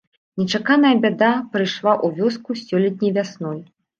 Нечаканая бяда прыйшла ў вёску сёлетняй вясной.